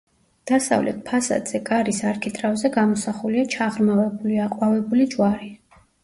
დასავლეთ ფასადზე კარის არქიტრავზე გამოსახულია ჩაღრმავებული აყვავებული ჯვარი.